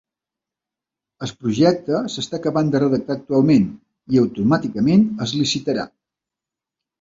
El projecte s’està acabant de redactar actualment i automàticament es licitarà.